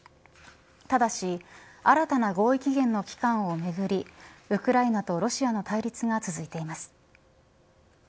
ただし、新たな合意期限の期間をめぐりウクライナとロシアの対立が続いています。